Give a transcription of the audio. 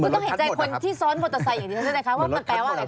คุณต้องเห็นใจคนที่ซ้อนมอเตอร์ไซส์อย่างนี้นะครับว่ามันแปลวอะไร